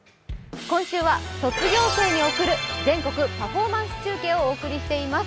今週は「卒業生に贈る全国パフォーマンス中継」をお送りしています。